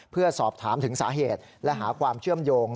เพื่อสอบถามถึงสาเหตุและหาความเชื่อมโยง